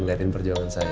ngeliatin perjuangan saya